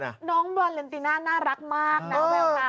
น้องบราเลนทิน่าน่ารักมากนะ